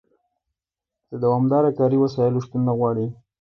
د دوامداره کاري وسایلو شتون نه غواړي.